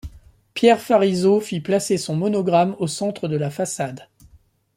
Pierre Fariseau fit placer son monogramme au centre de la façade.